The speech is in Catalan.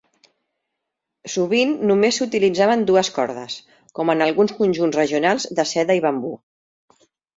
Sovint només s'utilitzaven dues cordes, com en alguns conjunts regionals de seda i bambú.